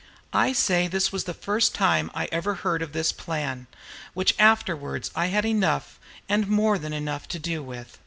I say this was the first time I ever heard of this plan, which afterwards I had enough and more than enough to do with.